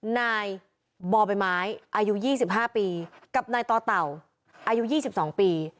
นายบปอายุ๒๕ปีกับนายต่อเต่าอายุ๒๒ปี